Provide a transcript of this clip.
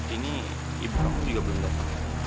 ini ibu kamu juga belum dapat